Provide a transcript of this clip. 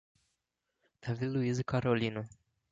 Davi Luiz e Carolina